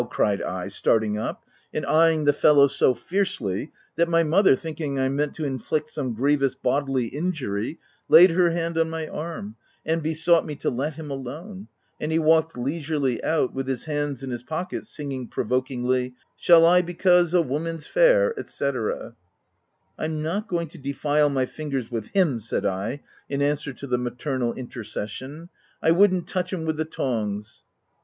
cried I, starting up, and eyeing the fellow so fiercely that my OF WILDFELL HALL. 227 mother, thinking I meant to inflict some grievous bodily injury, laid her hand on my arm, and besought me to let him alone, and he walked leisurely out, with his hands in his pockets, singing provokingly —" Shall I because a woman's fair/' &c. u I'm not going to defile my fingers with him/' said I, in answer to the maternal inter cession. u I wouldn^t touch him with the tongs."